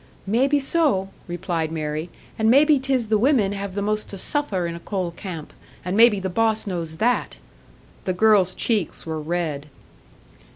"Maybe so," replied Mary. "And maybe 'tis the women have the most to suffer in a coal camp; and maybe the boss knows that." The girl's cheeks were red.